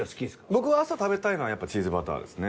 僕は朝食べたいのはやっぱチーズバタールですね。